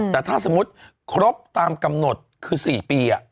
แต่ถ้าสมมุติครบตามกำหนดคือ๔ปี